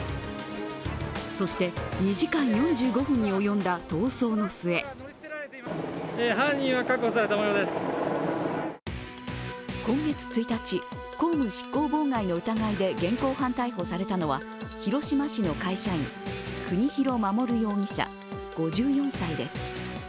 そして、２時間４５分に及んだ逃走の末今月１日、公務執行妨害の疑いで現行犯逮捕されたのは広島市の会社員・國廣守容疑者５４歳です。